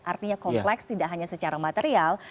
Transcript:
artinya kompleks tidak hanya secara material